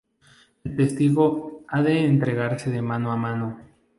El testigo ha de entregarse de mano a mano.